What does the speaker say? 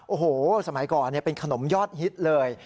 โอ้โหสมัยก่อนเป็นขนมยอดฮิตเลย